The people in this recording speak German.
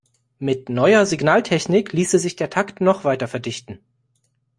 Mit neuer Signaltechnik ließe sich der Takt noch weiter verdichten.